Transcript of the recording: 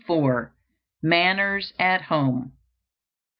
MANNERS AT HOME.